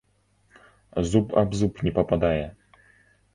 Зуб аб зуб не пападае.